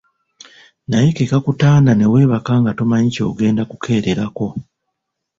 Naye ke kakutanda ne weebaka nga tomanyi ky'ogenda kukeererako.